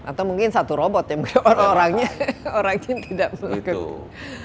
atau mungkin satu robot yang orangnya tidak berkegangan